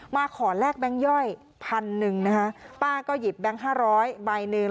มาขอแลกแบงค์ย่อย๑๐๐๐นะฮะป้าก็หยิบแบงค์๕๐๐ใบหนึ่ง